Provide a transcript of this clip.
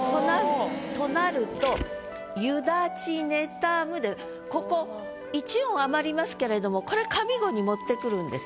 となると「夕立妬む」でここ１音余りますけれどもこれ上五に持ってくるんです。